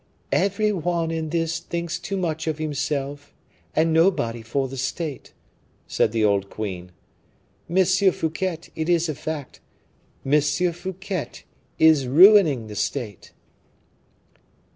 "Every one in this thinks too much of himself, and nobody for the state," said the old queen. "M. Fouquet, it is a fact, M. Fouquet is ruining the state."